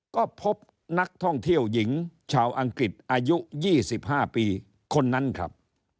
ก็พบนักท่องเที่ยวหญิงชาวอังกฤษอายุ๒๕ปีคนนั้นครับ